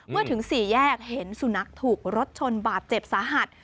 เมื่อถึงสี่แยกเห็นสุนัขถูกรถชนบาดเจ็บสาหัส